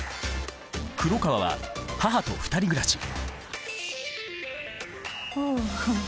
黒川は母と２人暮らしああ。